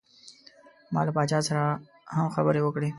ما له پاچا ملا سره هم خبرې وکړې.